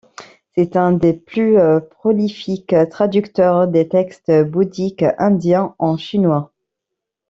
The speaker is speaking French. C'est un des plus prolifiques traducteurs des textes bouddhiques indiens en chinois.